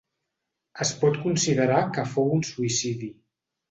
Es pot considerar que fou un suïcidi.